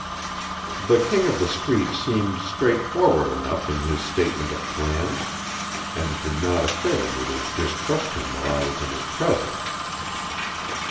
The King of the Street seemed straightforward enough in his statement of plans, and it did not occur to me to distrust him while I was in his presence.